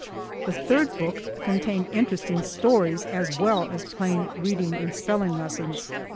The third book contained interesting stories as well as plain reading and spelling lessons.